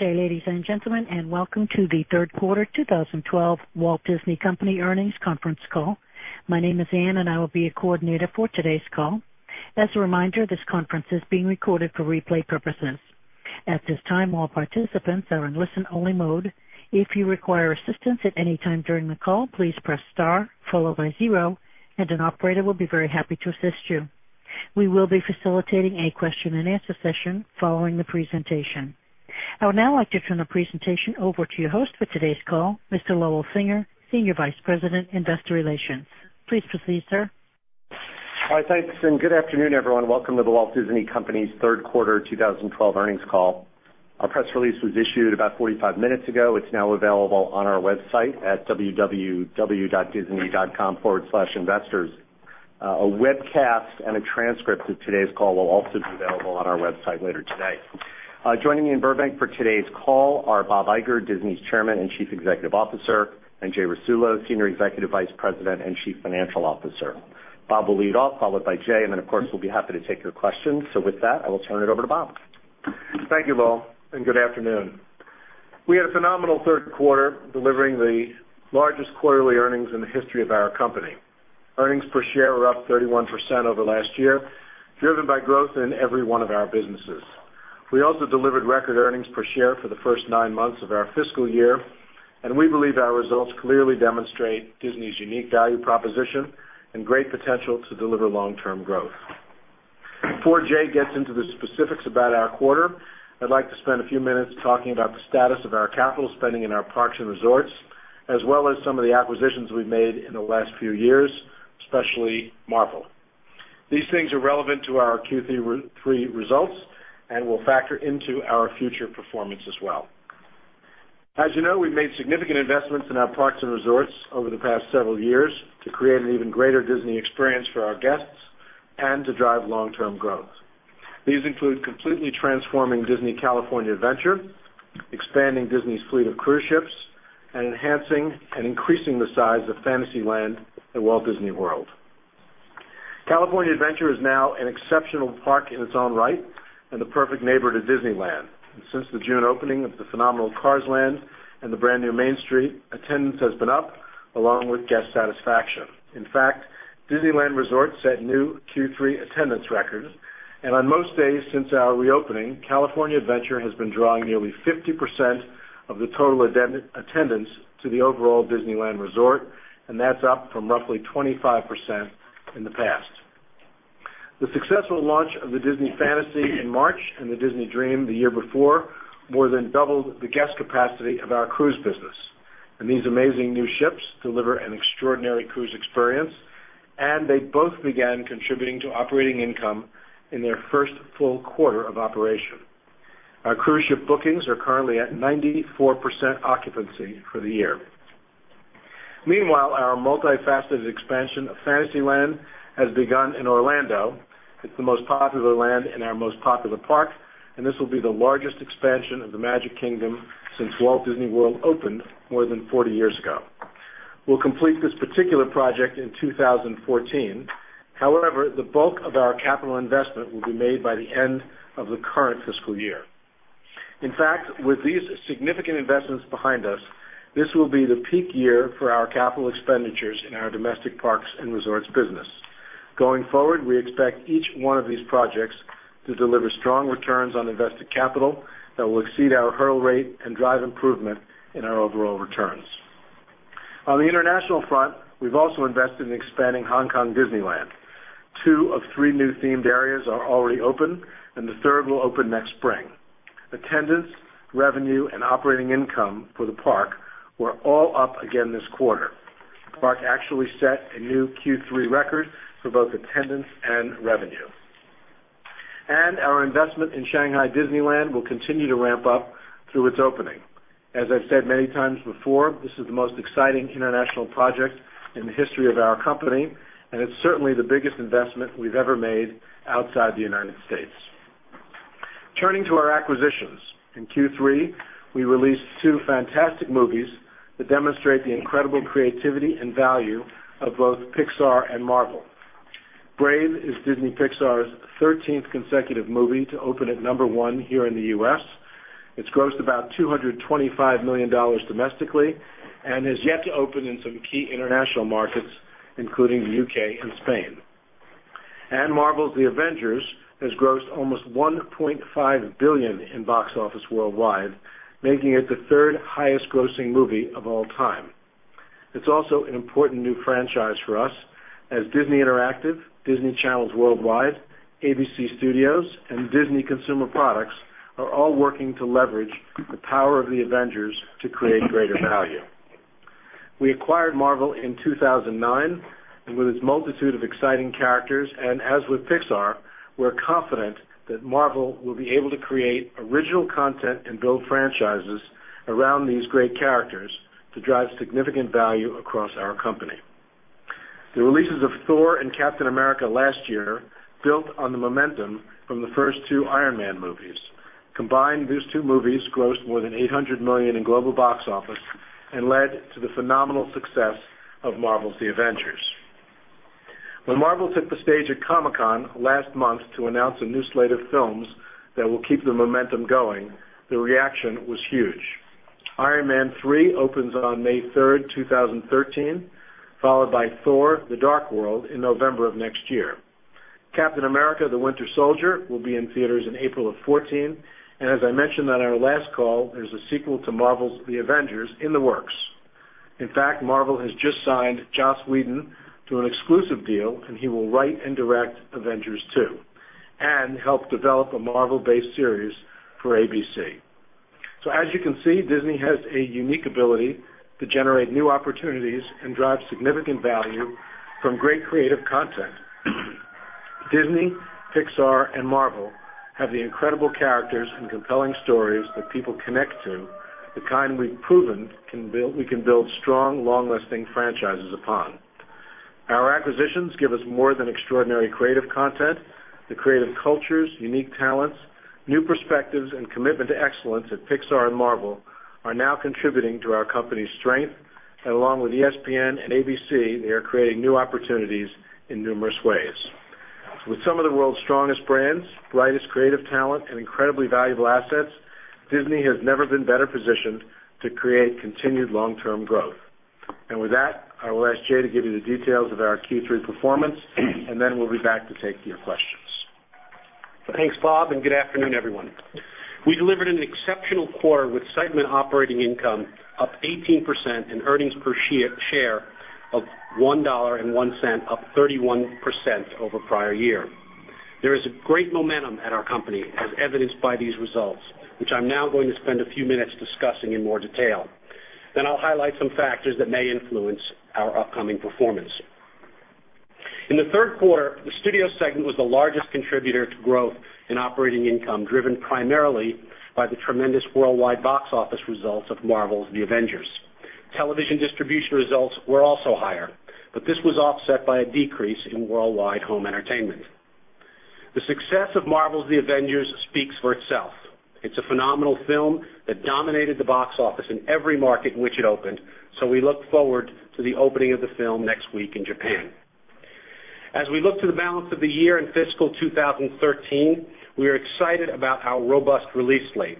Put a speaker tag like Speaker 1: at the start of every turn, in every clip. Speaker 1: Good day, ladies and gentlemen, and welcome to the third quarter 2012 The Walt Disney Company earnings conference call. My name is Anne, and I will be your coordinator for today's call. As a reminder, this conference is being recorded for replay purposes. At this time, all participants are in listen-only mode. If you require assistance at any time during the call, please press star followed by zero, and an operator will be very happy to assist you. We will be facilitating a question-and-answer session following the presentation. I would now like to turn the presentation over to your host for today's call, Mr. Lowell Singer, Senior Vice President, Investor Relations. Please proceed, sir.
Speaker 2: All right. Thanks, and good afternoon, everyone. Welcome to The Walt Disney Company's third quarter 2012 earnings call. Our press release was issued about 45 minutes ago. It's now available on our website at www.disney.com/investors. A webcast and a transcript of today's call will also be available on our website later today. Joining me in Burbank for today's call are Bob Iger, Disney's Chairman and Chief Executive Officer, and Jay Rasulo, Senior Executive Vice President and Chief Financial Officer. Bob will lead off, followed by Jay, and then of course, we'll be happy to take your questions. With that, I will turn it over to Bob.
Speaker 3: Thank you, Lowell, and good afternoon. We had a phenomenal third quarter, delivering the largest quarterly earnings in the history of our company. Earnings per share were up 31% over last year, driven by growth in every one of our businesses. We also delivered record earnings per share for the first nine months of our fiscal year, and we believe our results clearly demonstrate Disney's unique value proposition and great potential to deliver long-term growth. Before Jay gets into the specifics about our quarter, I'd like to spend a few minutes talking about the status of our capital spending in our parks and resorts, as well as some of the acquisitions we've made in the last few years, especially Marvel. These things are relevant to our Q3 results and will factor into our future performance as well. As you know, we've made significant investments in our parks and resorts over the past several years to create an even greater Disney experience for our guests and to drive long-term growth. These include completely transforming Disney California Adventure, expanding Disney's fleet of cruise ships, and enhancing and increasing the size of Fantasyland at Walt Disney World. California Adventure is now an exceptional park in its own right and the perfect neighbor to Disneyland. Since the June opening of the phenomenal Cars Land and the brand-new Main Street, attendance has been up, along with guest satisfaction. In fact, Disneyland Resort set new Q3 attendance records, and on most days since our reopening, California Adventure has been drawing nearly 50% of the total attendance to the overall Disneyland Resort, and that's up from roughly 25% in the past. The successful launch of the Disney Fantasy in March and the Disney Dream the year before more than doubled the guest capacity of our cruise business. These amazing new ships deliver an extraordinary cruise experience, and they both began contributing to operating income in their first full quarter of operation. Our cruise ship bookings are currently at 94% occupancy for the year. Meanwhile, our multifaceted expansion of Fantasyland has begun in Orlando. It's the most popular land in our most popular park, and this will be the largest expansion of the Magic Kingdom since Walt Disney World opened more than 40 years ago. We'll complete this particular project in 2014. However, the bulk of our capital investment will be made by the end of the current fiscal year. In fact, with these significant investments behind us, this will be the peak year for our capital expenditures in our domestic parks and resorts business. Going forward, we expect each one of these projects to deliver strong returns on invested capital that will exceed our hurdle rate and drive improvement in our overall returns. On the international front, we've also invested in expanding Hong Kong Disneyland. Two of three new themed areas are already open, and the third will open next spring. Attendance, revenue, and operating income for the park were all up again this quarter. The park actually set a new Q3 record for both attendance and revenue. Our investment in Shanghai Disneyland will continue to ramp up through its opening. As I've said many times before, this is the most exciting international project in the history of our company, and it's certainly the biggest investment we've ever made outside the U.S. Turning to our acquisitions. In Q3, we released two fantastic movies that demonstrate the incredible creativity and value of both Pixar and Marvel. Brave is Disney/Pixar's 13th consecutive movie to open at number one here in the U.S. It's grossed about $225 million domestically and is yet to open in some key international markets, including the U.K. and Spain. Marvel's The Avengers has grossed almost $1.5 billion in box office worldwide, making it the third highest grossing movie of all time. It's also an important new franchise for us as Disney Interactive, Disney Channels worldwide, ABC Studios, and Disney Consumer Products are all working to leverage the power of the Avengers to create greater value. We acquired Marvel in 2009, and with its multitude of exciting characters, and as with Pixar, we're confident that Marvel will be able to create original content and build franchises around these great characters to drive significant value across our company. The releases of Thor and Captain America last year built on the momentum from the first two Iron Man movies. Combined, these two movies grossed more than $800 million in global box office and led to the phenomenal success of Marvel's The Avengers. When Marvel took the stage at Comic-Con last month to announce a new slate of films that will keep the momentum going, the reaction was huge. Iron Man 3 opens on May 3rd, 2013, followed by Thor: The Dark World in November of next year. Captain America: The Winter Soldier will be in theaters in April of 2014. As I mentioned on our last call, there's a sequel to Marvel's The Avengers in the works. In fact, Marvel has just signed Joss Whedon to an exclusive deal, and he will write and direct Avengers 2 and help develop a Marvel-based series for ABC. As you can see, Disney has a unique ability to generate new opportunities and drive significant value from great creative content. Disney, Pixar, and Marvel have the incredible characters and compelling stories that people connect to, the kind we've proven we can build strong, long-lasting franchises upon. Our acquisitions give us more than extraordinary creative content. The creative cultures, unique talents, new perspectives, and commitment to excellence at Pixar and Marvel are now contributing to our company's strength. Along with ESPN and ABC, they are creating new opportunities in numerous ways. With some of the world's strongest brands, brightest creative talent, and incredibly valuable assets, Disney has never been better positioned to create continued long-term growth. With that, I will ask Jay to give you the details of our Q3 performance, we'll be back to take your questions.
Speaker 4: Thanks, Bob, and good afternoon, everyone. We delivered an exceptional quarter with segment operating income up 18% and earnings per share of $1.01, up 31% over prior year. There is great momentum at our company as evidenced by these results, which I'm now going to spend a few minutes discussing in more detail. I'll highlight some factors that may influence our upcoming performance. In the third quarter, the studio segment was the largest contributor to growth in operating income, driven primarily by the tremendous worldwide box office results of Marvel's The Avengers. Television distribution results were also higher, this was offset by a decrease in worldwide home entertainment. The success of Marvel's The Avengers speaks for itself. It's a phenomenal film that dominated the box office in every market in which it opened, we look forward to the opening of the film next week in Japan. As we look to the balance of the year in fiscal 2013, we are excited about our robust release slate.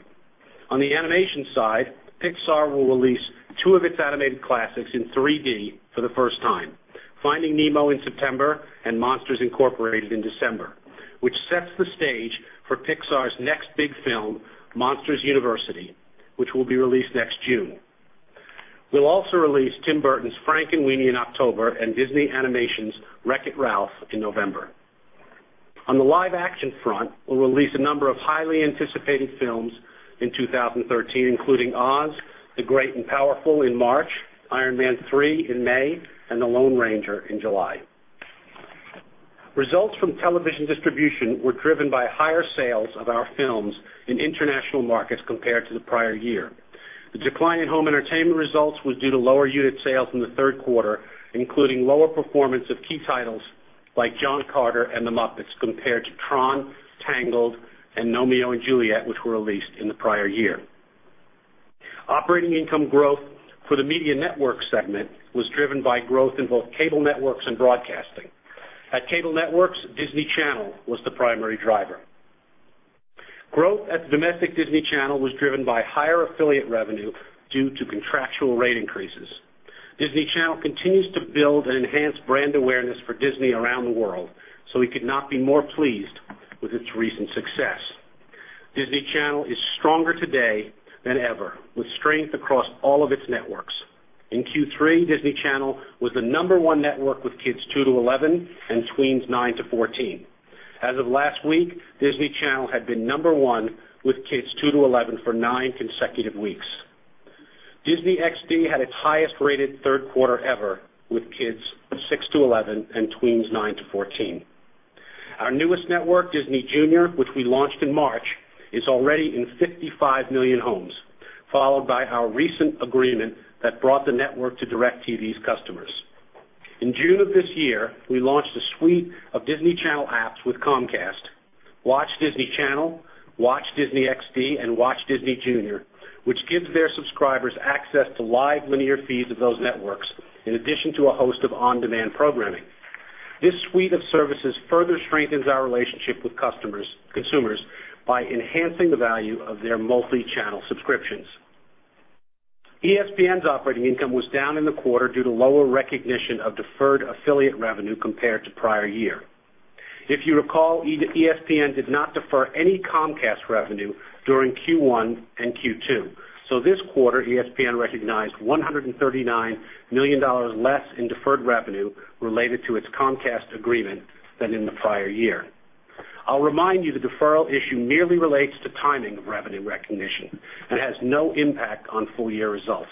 Speaker 4: On the animation side, Pixar will release two of its animated classics in 3D for the first time, Finding Nemo in September and Monsters, Inc. in December, which sets the stage for Pixar's next big film, Monsters University, which will be released next June. We'll also release Tim Burton's Frankenweenie in October and Disney Animation's Wreck-It Ralph in November. On the live-action front, we'll release a number of highly anticipated films in 2013, including Oz: The Great and Powerful in March, Iron Man 3 in May, and The Lone Ranger in July. Results from television distribution were driven by higher sales of our films in international markets compared to the prior year. The decline in home entertainment results was due to lower unit sales in the third quarter, including lower performance of key titles like John Carter and The Muppets compared to Tron, Tangled, and Gnomeo and Juliet, which were released in the prior year. Operating income growth for the media network segment was driven by growth in both cable networks and broadcasting. At cable networks, Disney Channel was the primary driver. Growth at the domestic Disney Channel was driven by higher affiliate revenue due to contractual rate increases. Disney Channel continues to build and enhance brand awareness for Disney around the world, so we could not be more pleased with its recent success. Disney Channel is stronger today than ever, with strength across all of its networks. In Q3, Disney Channel was the number one network with kids two to 11 and tweens nine to 14. As of last week, Disney Channel had been number one with kids two to 11 for nine consecutive weeks. Disney XD had its highest-rated third quarter ever with kids six to 11 and tweens nine to 14. Our newest network, Disney Junior, which we launched in March, is already in 55 million homes, followed by our recent agreement that brought the network to DirecTV's customers. In June of this year, we launched a suite of Disney Channel apps with Comcast, Watch Disney Channel, Watch Disney XD, and Watch Disney Junior, which gives their subscribers access to live linear feeds of those networks, in addition to a host of on-demand programming. This suite of services further strengthens our relationship with consumers by enhancing the value of their multi-channel subscriptions. ESPN's operating income was down in the quarter due to lower recognition of deferred affiliate revenue compared to prior year. If you recall, ESPN did not defer any Comcast revenue during Q1 and Q2. This quarter, ESPN recognized $139 million less in deferred revenue related to its Comcast agreement than in the prior year. I'll remind you, the deferral issue merely relates to timing of revenue recognition and has no impact on full-year results.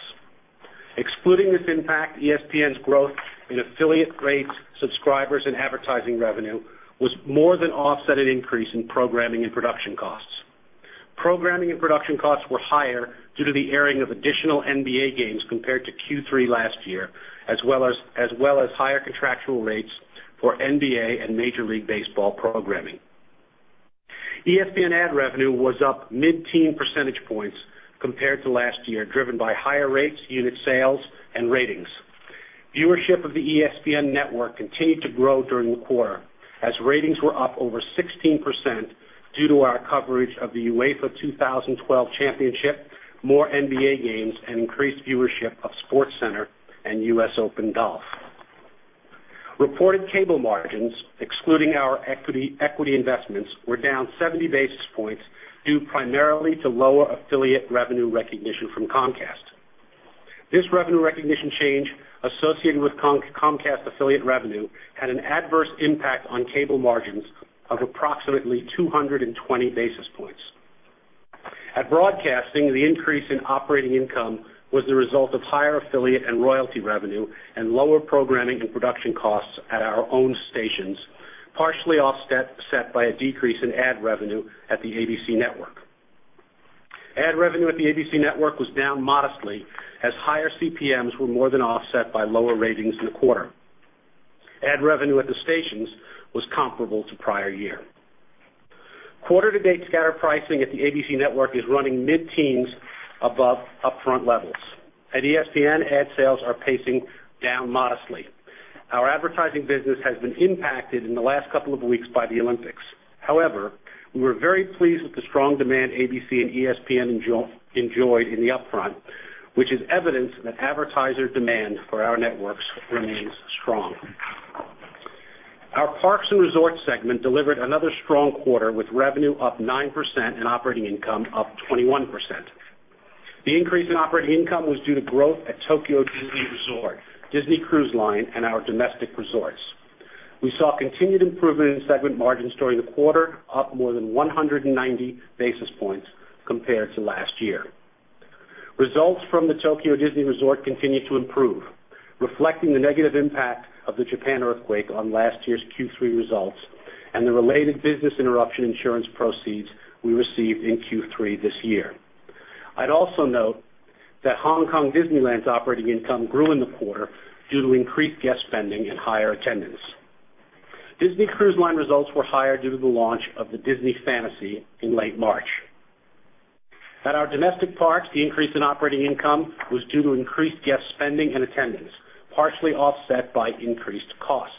Speaker 4: Excluding this impact, ESPN's growth in affiliate rates, subscribers, and advertising revenue was more than offset an increase in programming and production costs. Programming and production costs were higher due to the airing of additional NBA games compared to Q3 last year, as well as higher contractual rates for NBA and Major League Baseball programming. ESPN ad revenue was up mid-teen percentage points compared to last year, driven by higher rates, unit sales, and ratings. Viewership of the ESPN network continued to grow during the quarter as ratings were up over 16% due to our coverage of the UEFA 2012 Championship, more NBA games, and increased viewership of SportsCenter and U.S. Open golf. Reported cable margins, excluding our equity investments, were down 70 basis points due primarily to lower affiliate revenue recognition from Comcast. This revenue recognition change associated with Comcast affiliate revenue had an adverse impact on cable margins of approximately 220 basis points. At broadcasting, the increase in operating income was the result of higher affiliate and royalty revenue and lower programming and production costs at our own stations, partially offset by a decrease in ad revenue at the ABC Network. Ad revenue at the ABC Network was down modestly as higher CPMs were more than offset by lower ratings in the quarter. Ad revenue at the stations was comparable to prior year. Quarter-to-date scatter pricing at the ABC Network is running mid-teens above upfront levels. At ESPN, ad sales are pacing down modestly. Our advertising business has been impacted in the last couple of weeks by the Olympics. We were very pleased with the strong demand ABC and ESPN enjoyed in the upfront, which is evidence that advertiser demand for our networks remains strong. Our Parks and Resorts segment delivered another strong quarter, with revenue up 9% and operating income up 21%. The increase in operating income was due to growth at Tokyo Disney Resort, Disney Cruise Line, and our domestic resorts. We saw continued improvement in segment margins during the quarter, up more than 190 basis points compared to last year. Results from the Tokyo Disney Resort continued to improve, reflecting the negative impact of the Japan earthquake on last year's Q3 results and the related business interruption insurance proceeds we received in Q3 this year. I'd also note that Hong Kong Disneyland's operating income grew in the quarter due to increased guest spending and higher attendance. Disney Cruise Line results were higher due to the launch of the Disney Fantasy in late March. At our domestic parks, the increase in operating income was due to increased guest spending and attendance, partially offset by increased costs.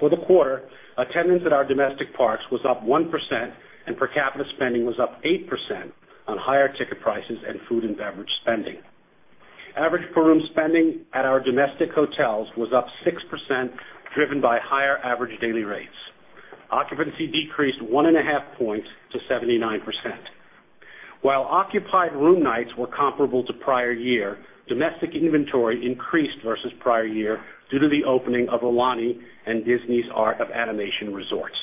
Speaker 4: For the quarter, attendance at our domestic parks was up 1% and per capita spending was up 8% on higher ticket prices and food and beverage spending. Average per room spending at our domestic hotels was up 6%, driven by higher average daily rates. Occupancy decreased 1.5 points to 79%. While occupied room nights were comparable to prior year, domestic inventory increased versus prior year due to the opening of Aulani and Disney's Art of Animation resorts.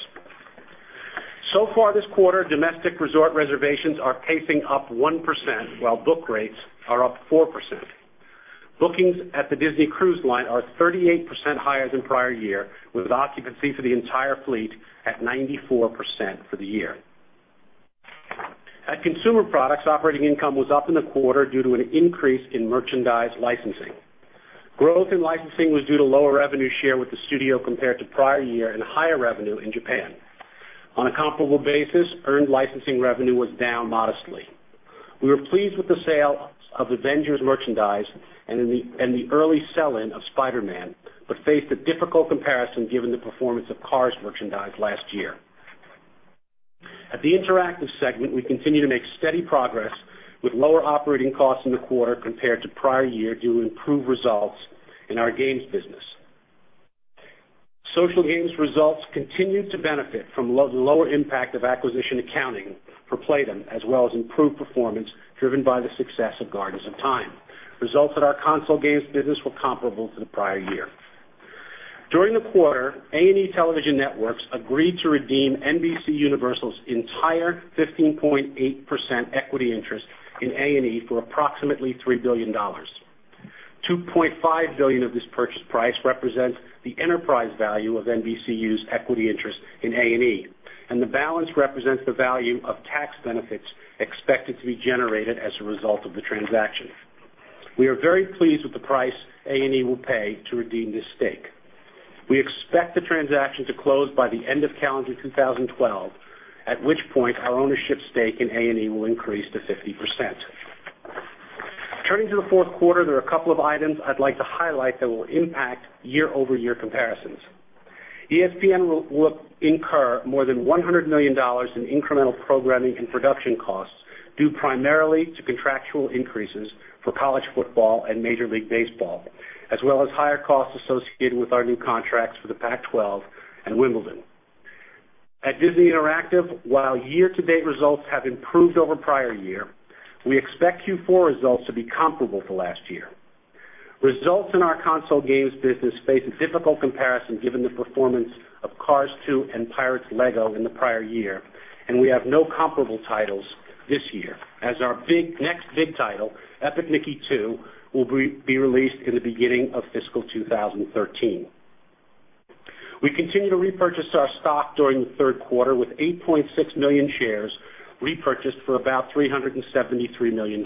Speaker 4: So far this quarter, domestic resort reservations are pacing up 1%, while book rates are up 4%. Bookings at the Disney Cruise Line are 38% higher than prior year, with occupancy for the entire fleet at 94% for the year. At Consumer Products, operating income was up in the quarter due to an increase in merchandise licensing. Growth in licensing was due to lower revenue share with the studio compared to prior year and higher revenue in Japan. On a comparable basis, earned licensing revenue was down modestly. We were pleased with the sale of Avengers merchandise and the early sell-in of Spider-Man but faced a difficult comparison given the performance of Cars merchandise last year. At the Interactive segment, we continue to make steady progress with lower operating costs in the quarter compared to prior year due to improved results in our games business. Social games results continued to benefit from lower impact of acquisition accounting for Playdom, as well as improved performance driven by the success of Guardians of Time. Results at our console games business were comparable to the prior year. During the quarter, A&E Television Networks agreed to redeem NBCUniversal's entire 15.8% equity interest in A&E for approximately $3 billion. $2.5 billion of this purchase price represents the enterprise value of NBCU's equity interest in A&E, and the balance represents the value of tax benefits expected to be generated as a result of the transaction. We are very pleased with the price A&E will pay to redeem this stake. We expect the transaction to close by the end of calendar 2012, at which point our ownership stake in A&E will increase to 50%. Turning to the fourth quarter, there are a couple of items I'd like to highlight that will impact year-over-year comparisons. ESPN will incur more than $100 million in incremental programming and production costs, due primarily to contractual increases for college football and Major League Baseball, as well as higher costs associated with our new contracts for the Pac-12 and Wimbledon. At Disney Interactive, while year-to-date results have improved over prior year, we expect Q4 results to be comparable to last year. Results in our console games business face a difficult comparison given the performance of Cars 2 and Pirates LEGO in the prior year, and we have no comparable titles this year as our next big title, Epic Mickey 2, will be released in the beginning of fiscal 2013. We continue to repurchase our stock during the third quarter, with 8.6 million shares repurchased for about $373 million.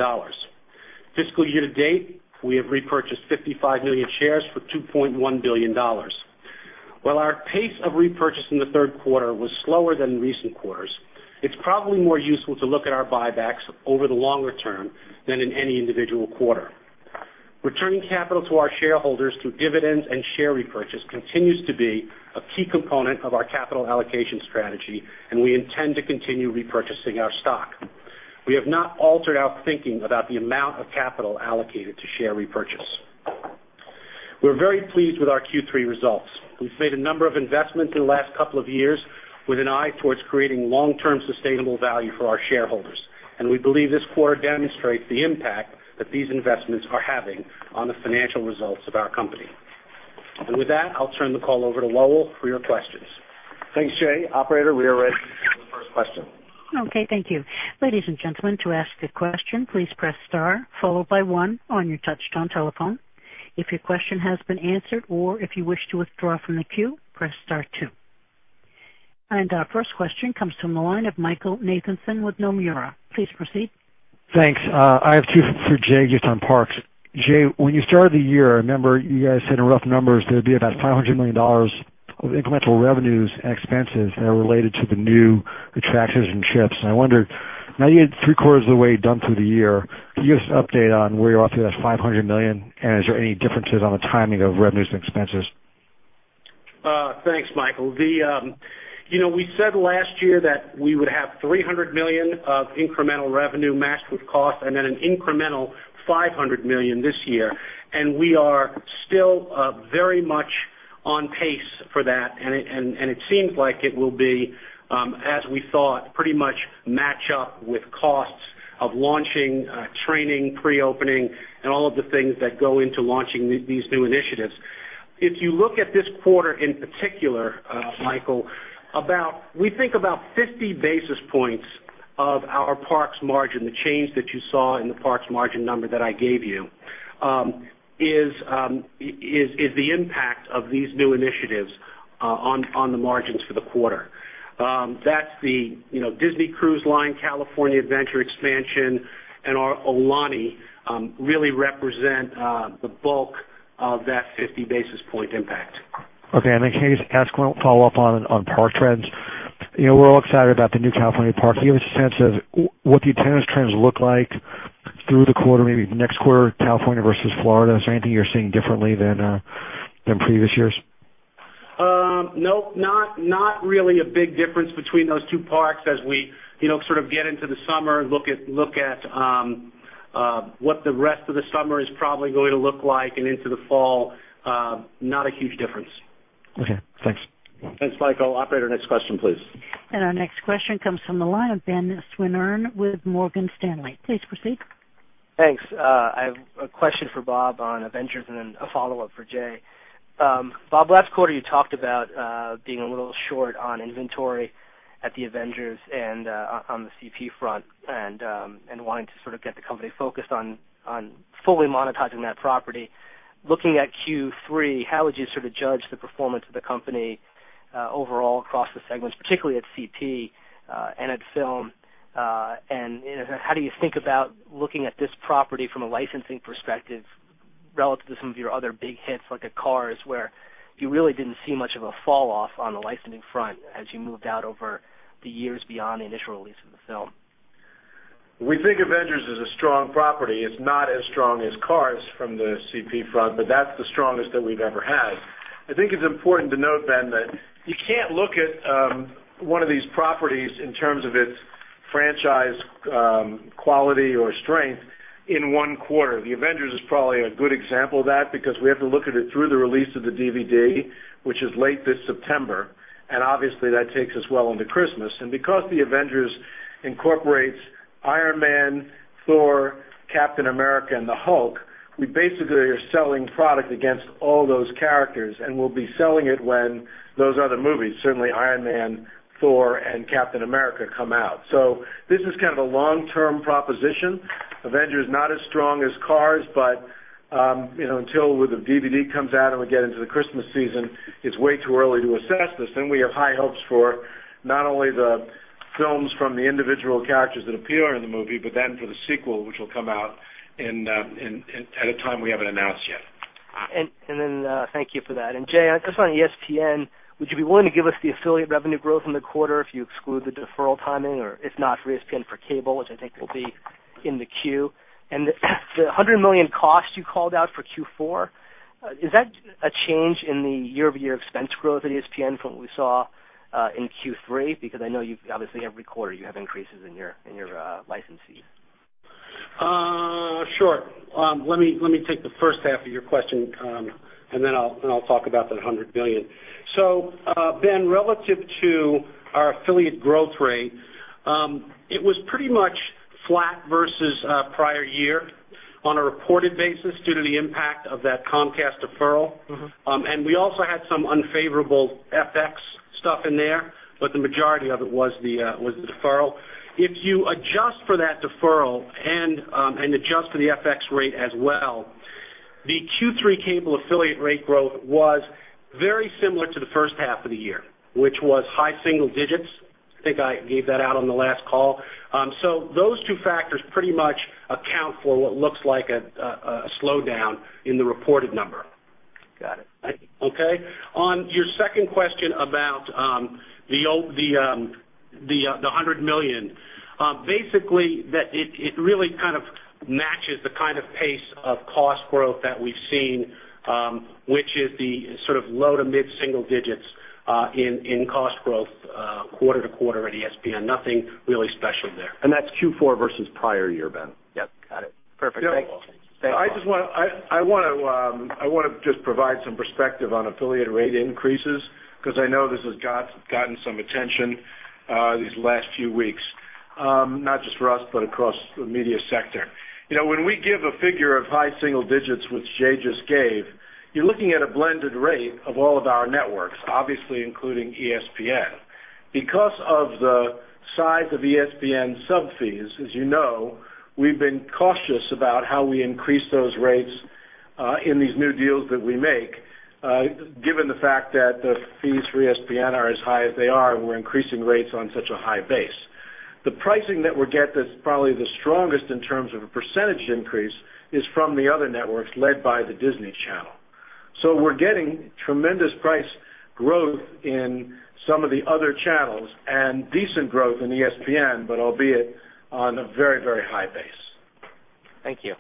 Speaker 4: Fiscal year to date, we have repurchased 55 million shares for $2.1 billion. While our pace of repurchase in the third quarter was slower than recent quarters, it's probably more useful to look at our buybacks over the longer term than in any individual quarter. Returning capital to our shareholders through dividends and share repurchase continues to be a key component of our capital allocation strategy, and we intend to continue repurchasing our stock. We have not altered our thinking about the amount of capital allocated to share repurchase. We're very pleased with our Q3 results. We've made a number of investments in the last couple of years with an eye towards creating long-term sustainable value for our shareholders, and we believe this quarter demonstrates the impact that these investments are having on the financial results of our company.
Speaker 3: Thanks, Jay. Operator, we are ready to take the first question.
Speaker 1: Okay, thank you. Ladies and gentlemen, to ask a question, please press star followed by one on your touch-tone telephone. If your question has been answered or if you wish to withdraw from the queue, press star two. Our first question comes from the line of Michael Nathanson with Nomura. Please proceed.
Speaker 5: Thanks. I have two for Jay just on parks. Jay, when you started the year, I remember you guys said in rough numbers there'd be about $500 million of incremental revenues and expenses that are related to the new attractions and ships. I wonder, now you had three-quarters of the way done through the year, can you give us an update on where you're up to that $500 million, and is there any differences on the timing of revenues and expenses?
Speaker 4: Thanks, Michael. We said last year that we would have $300 million of incremental revenue matched with cost and then an incremental $500 million this year. We are still very much on pace for that. It seems like it will be, as we thought, pretty much match up with costs of launching, training, pre-opening, and all of the things that go into launching these new initiatives. If you look at this quarter in particular, Michael, we think about 50 basis points of our parks margin, the change that you saw in the parks margin number that I gave you, is the impact of these new initiatives on the margins for the quarter. That's the Disney Cruise Line, California Adventure expansion, and our Aulani really represent the bulk of that 50 basis point impact.
Speaker 5: Okay, can I just ask a follow-up on park trends? We're all excited about the new California park. Can you give us a sense of what the attendance trends look like through the quarter, maybe next quarter, California versus Florida? Is there anything you're seeing differently than previous years?
Speaker 4: No, not really a big difference between those two parks as we sort of get into the summer and look at what the rest of the summer is probably going to look like and into the fall. Not a huge difference.
Speaker 5: Okay. Thanks.
Speaker 3: Thanks, Michael. Operator, next question, please.
Speaker 1: Our next question comes from the line of Ben Swinburne with Morgan Stanley. Please proceed.
Speaker 6: Thanks. I have a question for Bob on Avengers and then a follow-up for Jay. Bob, last quarter you talked about being a little short on inventory at the Avengers and on the CP front and wanting to sort of get the company focused on fully monetizing that property. Looking at Q3, how would you sort of judge the performance of the company overall across the segments, particularly at CP and at film? How do you think about looking at this property from a licensing perspective relative to some of your other big hits, like a Cars where you really didn't see much of a fall off on the licensing front as you moved out over the years beyond the initial release of the film?
Speaker 3: We think Avengers is a strong property. It's not as strong as Cars from the CP front, but that's the strongest that we've ever had. I think it's important to note, Ben, that you can't look at one of these properties in terms of its franchise quality or strength in one quarter. The Avengers is probably a good example of that because we have to look at it through the release of the DVD, which is late this September, and obviously that takes us well into Christmas. Because the Avengers incorporates Iron Man, Thor, Captain America, and the Hulk, we basically are selling product against all those characters, and we'll be selling it when those other movies, certainly Iron Man, Thor, and Captain America, come out. This is kind of a long-term proposition. Avengers, not as strong as Cars, but until the DVD comes out and we get into the Christmas season, it's way too early to assess this. We have high hopes for not only the films from the individual characters that appear in the movie, but then for the sequel, which will come out at a time we haven't announced yet.
Speaker 6: Thank you for that. Jay, just on ESPN, would you be willing to give us the affiliate revenue growth in the quarter if you exclude the deferral timing? If not, for ESPN, for cable, which I think will be in the queue. The $100 million cost you called out for Q4, is that a change in the year-over-year expense growth at ESPN from what we saw in Q3? Because I know obviously every quarter you have increases in your license fees.
Speaker 4: Sure. Let me take the first half of your question, then I'll talk about that $100 million. Ben, relative to our affiliate growth rate, it was pretty much flat versus prior year on a reported basis due to the impact of that Comcast deferral. We also had some unfavorable FX stuff in there, but the majority of it was the deferral. If you adjust for that deferral and adjust for the FX rate as well. The Q3 cable affiliate rate growth was very similar to the first half of the year, which was high single digits. I think I gave that out on the last call. Those two factors pretty much account for what looks like a slowdown in the reported number.
Speaker 6: Got it.
Speaker 4: Okay. On your second question about the $100 million. Basically, it really kind of matches the kind of pace of cost growth that we've seen, which is the sort of low to mid single digits in cost growth quarter-to-quarter at ESPN. Nothing really special there.
Speaker 2: That's Q4 versus prior year, Ben.
Speaker 4: Yep.
Speaker 6: Got it. Perfect. Thanks.
Speaker 3: I want to just provide some perspective on affiliate rate increases, because I know this has gotten some attention these last few weeks, not just for us but across the media sector. When we give a figure of high single digits, which Jay just gave, you're looking at a blended rate of all of our networks, obviously including ESPN. Because of the size of ESPN sub fees, as you know, we've been cautious about how we increase those rates in these new deals that we make, given the fact that the fees for ESPN are as high as they are and we're increasing rates on such a high base. The pricing that we get that's probably the strongest in terms of a percentage increase is from the other networks led by the Disney Channel. We're getting tremendous price growth in some of the other channels and decent growth in ESPN, but albeit on a very high base.
Speaker 2: Thank you.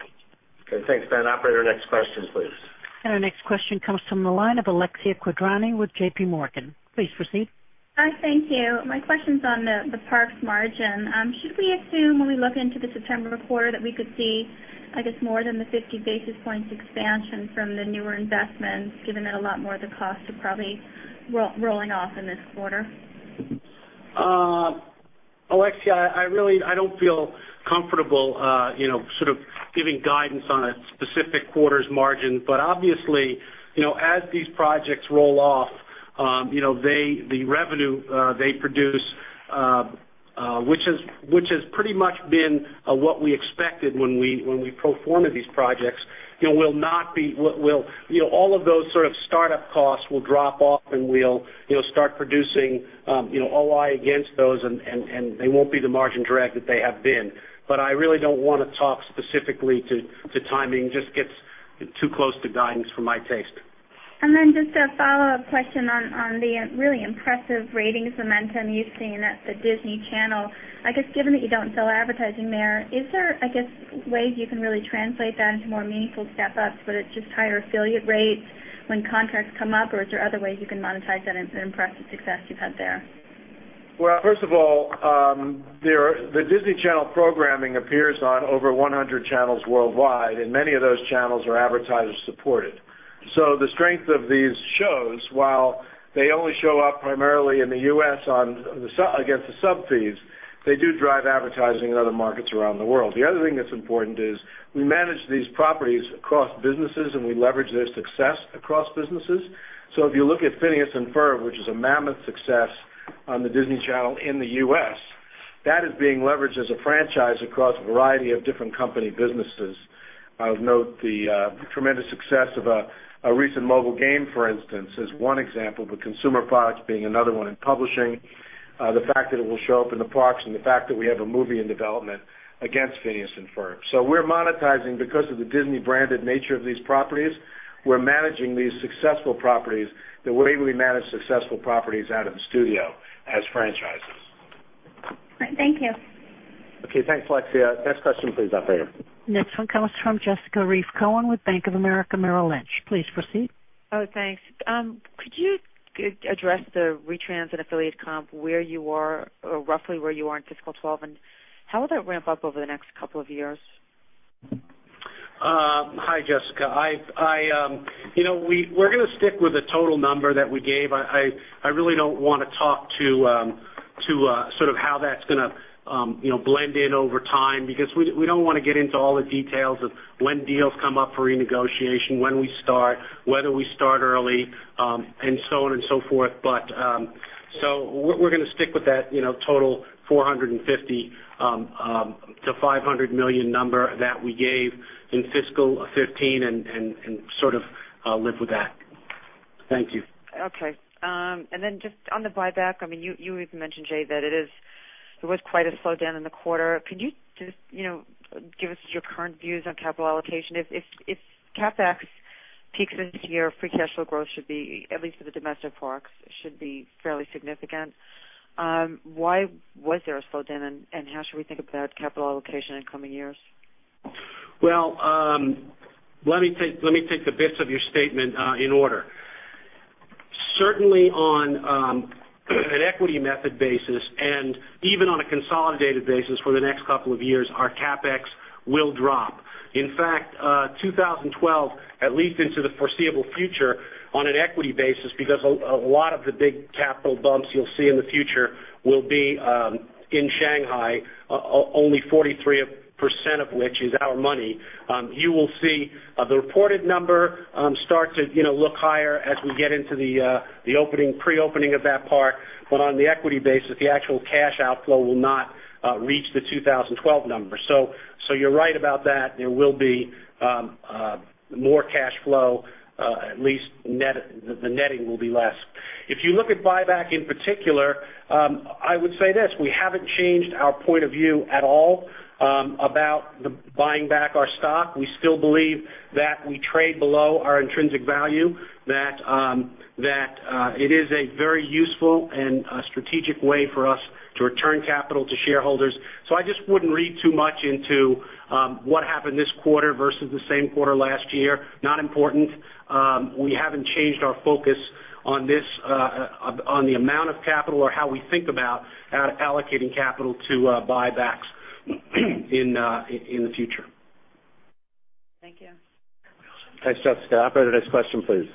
Speaker 4: Okay. Thanks, Ben. Operator, next question, please.
Speaker 1: Our next question comes from the line of Alexia Quadrani with J.P. Morgan. Please proceed.
Speaker 7: Hi, thank you. My question's on the Parks margin. Should we assume when we look into the September quarter that we could see, I guess, more than the 50 basis points expansion from the newer investments, given that a lot more of the costs are probably rolling off in this quarter?
Speaker 4: Alexia, I don't feel comfortable sort of giving guidance on a specific quarter's margin. Obviously, as these projects roll off, the revenue they produce which has pretty much been what we expected when we pro formad these projects, all of those sort of startup costs will drop off, and we'll start producing OI against those, and they won't be the margin drag that they have been. I really don't want to talk specifically to timing. It just gets too close to guidance for my taste.
Speaker 7: Just a follow-up question on the really impressive ratings momentum you've seen at the Disney Channel. I guess given that you don't sell advertising there, is there ways you can really translate that into more meaningful step-ups, whether it's just higher affiliate rates when contracts come up, or is there other ways you can monetize that impressive success you've had there?
Speaker 3: First of all, the Disney Channel programming appears on over 100 channels worldwide, and many of those channels are advertiser supported. The strength of these shows, while they only show up primarily in the U.S. against the sub fees, they do drive advertising in other markets around the world. The other thing that's important is we manage these properties across businesses and we leverage their success across businesses. If you look at "Phineas and Ferb," which is a mammoth success on the Disney Channel in the U.S., that is being leveraged as a franchise across a variety of different company businesses. I would note the tremendous success of a recent mobile game, for instance, as one example, with consumer products being another one in publishing. The fact that it will show up in the parks and the fact that we have a movie in development against "Phineas and Ferb." We're monetizing because of the Disney branded nature of these properties. We're managing these successful properties the way we manage successful properties out of the studio as franchises.
Speaker 7: Great. Thank you.
Speaker 4: Okay. Thanks, Alexia. Next question, please, operator.
Speaker 1: Next one comes from Jessica Reif Cohen with Bank of America Merrill Lynch. Please proceed.
Speaker 8: Oh, thanks. Could you address the retrans and affiliate comp where you are, or roughly where you are in fiscal 2012, and how will that ramp up over the next couple of years?
Speaker 4: Hi, Jessica. We're going to stick with the total number that we gave. I really don't want to talk to sort of how that's going to blend in over time because we don't want to get into all the details of when deals come up for renegotiation, when we start, whether we start early, and so on and so forth. We're going to stick with that total $450 million-$500 million number that we gave in fiscal 2015 and sort of live with that. Thank you.
Speaker 8: Okay. Just on the buyback, you even mentioned, Jay, that there was quite a slowdown in the quarter. Could you just give us your current views on capital allocation? If CapEx peaks this year, free cash flow growth should be, at least for the domestic parks, should be fairly significant. Why was there a slowdown, and how should we think about capital allocation in coming years?
Speaker 4: Well, let me take the bits of your statement in order. Certainly on an equity method basis, and even on a consolidated basis for the next couple of years, our CapEx will drop. In fact, 2012, at least into the foreseeable future, on an equity basis, because a lot of the big capital bumps you'll see in the future will be in Shanghai, only 43% of which is our money. You will see the reported number start to look higher as we get into the pre-opening of that park. On the equity basis, the actual cash outflow will not reach the 2012 numbers. You're right about that. There will be more cash flow. At least the netting will be less. If you look at buyback in particular, I would say this. We haven't changed our point of view at all about buying back our stock. We still believe that we trade below our intrinsic value, that it is a very useful and strategic way for us to return capital to shareholders. I just wouldn't read too much into what happened this quarter versus the same quarter last year. Not important. We haven't changed our focus on the amount of capital or how we think about allocating capital to buybacks in the future.
Speaker 8: Thank you.
Speaker 3: Thanks, Jessica. Operator, next question, please.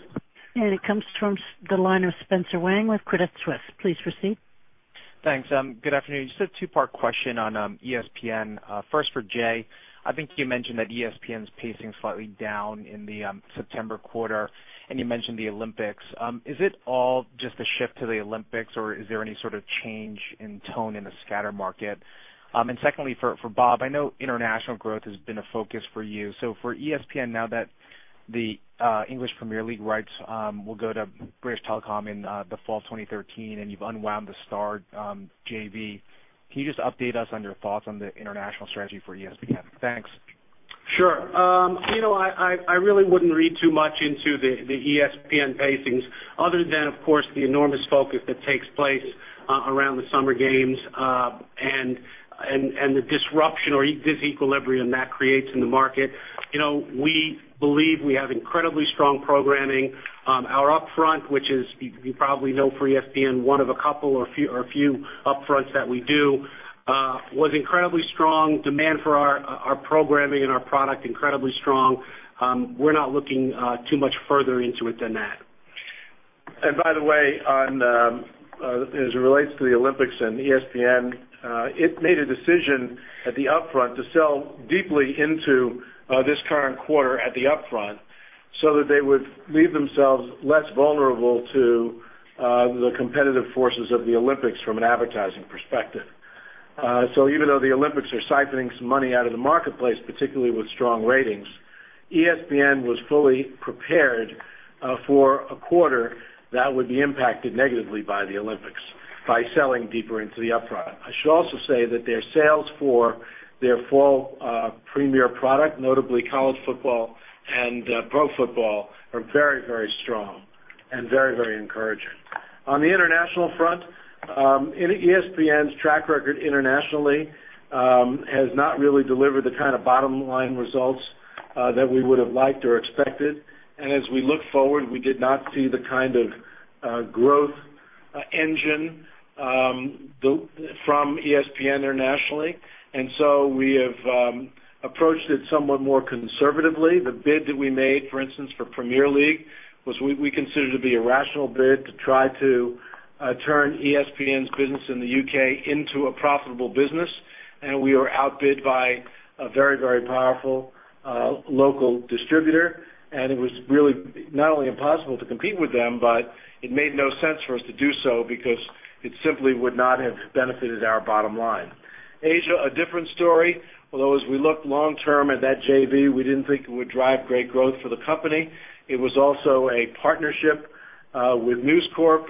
Speaker 1: It comes from the line of Spencer Wang with Credit Suisse. Please proceed.
Speaker 9: Thanks. Good afternoon. Just a two-part question on ESPN. First for Jay. I think you mentioned that ESPN's pacing slightly down in the September quarter, and you mentioned the Olympics. Is it all just a shift to the Olympics, or is there any sort of change in tone in the scatter market? Secondly, for Bob, I know international growth has been a focus for you. So for ESPN, now that the English Premier League rights will go to British Telecom in the fall of 2013, and you've unwound the Star JV, can you just update us on your thoughts on the international strategy for ESPN? Thanks.
Speaker 4: Sure. I really wouldn't read too much into the ESPN pacings other than, of course, the enormous focus that takes place around the Summer Games and the disruption or disequilibrium that creates in the market. We believe we have incredibly strong programming. Our upfront, which as you probably know, for ESPN, one of a couple or a few upfronts that we do, was incredibly strong. Demand for our programming and our product incredibly strong. We're not looking too much further into it than that.
Speaker 3: By the way, as it relates to the Olympics and ESPN, it made a decision at the upfront to sell deeply into this current quarter at the upfront so that they would leave themselves less vulnerable to the competitive forces of the Olympics from an advertising perspective. Even though the Olympics are siphoning some money out of the marketplace, particularly with strong ratings, ESPN was fully prepared for a quarter that would be impacted negatively by the Olympics by selling deeper into the upfront. I should also say that their sales for their fall premier product, notably college football and pro football, are very strong and very encouraging. On the international front, ESPN's track record internationally has not really delivered the kind of bottom-line results that we would have liked or expected. As we look forward, we did not see the kind of growth engine from ESPN internationally. We have approached it somewhat more conservatively. The bid that we made, for instance, for Premier League, was we considered to be a rational bid to try to turn ESPN's business in the U.K. into a profitable business. We were outbid by a very powerful local distributor, and it was really not only impossible to compete with them, but it made no sense for us to do so because it simply would not have benefited our bottom line. Asia, a different story, although as we look long term at that JV, we didn't think it would drive great growth for the company. It was also a partnership with News Corp.